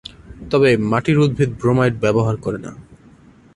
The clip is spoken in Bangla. তবে মাটির উদ্ভিদ ব্রোমাইড ব্যবহার করে না।